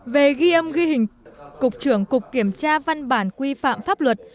về ghi âm ghi hình cục trưởng cục kiểm tra văn bản quy phạm pháp luật